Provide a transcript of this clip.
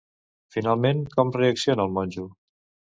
Finalment, com reacciona el monjo?